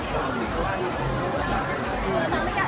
การรับความรักมันเป็นอย่างไร